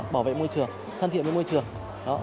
bảo vệ môi trường thân thiện với môi trường